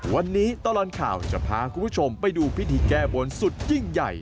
วันนี้ตลอดข่าวจะพาคุณผู้ชมไปดูพิธีแก้บนสุดยิ่งใหญ่